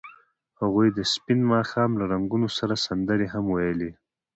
هغوی د سپین ماښام له رنګونو سره سندرې هم ویلې.